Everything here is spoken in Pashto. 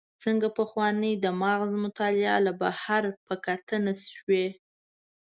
ځکه پخوانۍ د مغز مطالعه له بهر په کتنه شوې.